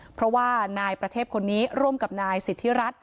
เพราะว่านายประเทศคนนี้ร่วมกับนายสิทธิรัฐ